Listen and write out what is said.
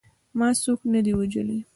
ما څوک نه دي وژلي.